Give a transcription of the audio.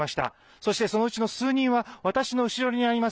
そしてそのうちの数人は私の後ろにあります